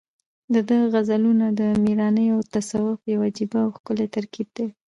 د ده غزلونه د مېړانې او تصوف یو عجیبه او ښکلی ترکیب دی.